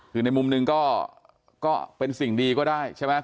คือในมุมหนึ่งก็เป็นสิ่งดีก็ได้ใช่ไหม